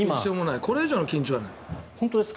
これ以上の緊張はない。